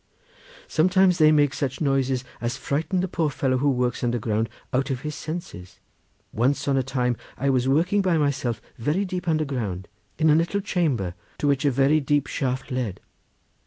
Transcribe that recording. Sometimes they make such noises as frighten the poor fellow who works underground out of his senses. Once on a time I was working by myself very deep underground, in a little chamber to which a very deep shaft led.